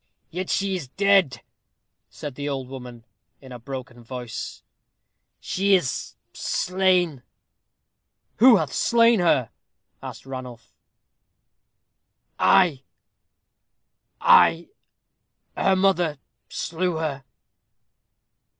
"Yet she is dead," said the old woman, in a broken voice, "she is slain." "Who hath slain her?" asked Ranulph. "I I her mother, slew her."